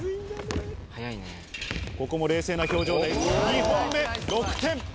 ここも冷静な表情で２本目、６点。